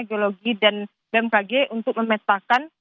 geologi dan bmkg untuk memetakan